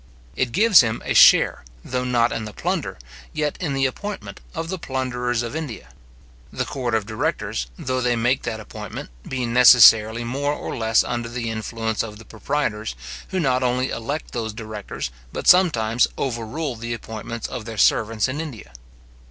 It gives him a share, though not in the plunder, yet in the appointment of the plunderers of India; the court of directors, though they make that appointment, being necessarily more or less under the influence of the proprietors, who not only elect those directors, but sometimes over rule the appointments of their servants in India.